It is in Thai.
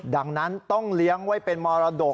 ดังนั้นต้องเลี้ยงไว้เป็นมรดก